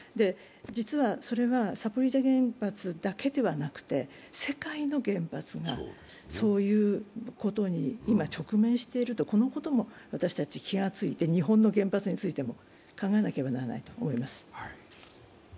実はそれはザポリージャ原発だけではなくて、世界の原発がそういうことに今、直面していると、このことも私たち気がついて、日本の原発についても考えなければならないと思います。